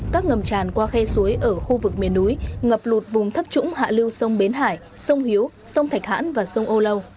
các ngầm tràn qua khe suối ở khu vực miền núi ngập lụt vùng thấp trũng hạ lưu sông bến hải sông hiếu sông thạch hãn và sông âu lâu